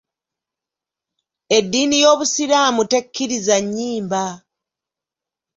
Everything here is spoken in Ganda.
Eddiini y'obusiraamu tekkiriza nnyimba.